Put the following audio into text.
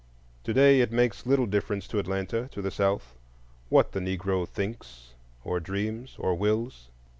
Today it makes little difference to Atlanta, to the South, what the Negro thinks or dreams or wills.